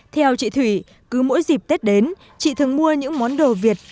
theo chị thủy cứ mỗi dịp tết đến chị thường mua những món đồ việt